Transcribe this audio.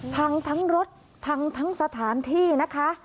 พังทั้งรถพังทั้งสถานที่นะคะ